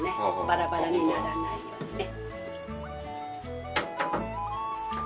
バラバラにならないようにね。